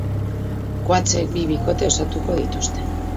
Coachek bi bikote osatuko dituzte.